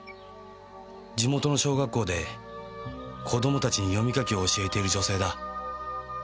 「地元の小学校で子供たちに読み書きを教えている女性だ」